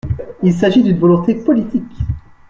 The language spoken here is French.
Il s’agit d’une volonté politique.